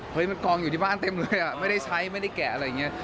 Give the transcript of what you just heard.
มันกองอยู่ที่บ้านเต็มเลยอ่ะไม่ได้ใช้ไม่ได้แกะอะไรอย่างนี้